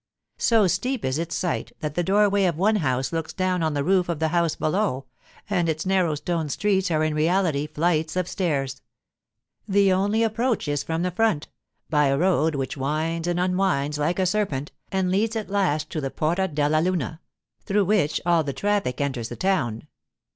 So steep is its site that the doorway of one house looks down on the roof of the house below, and its narrow stone streets are in reality flights of stairs. The only approach is from the front, by a road which winds and unwinds like a serpent and leads at last to the Porta della Luna, through which all of the traffic enters the town.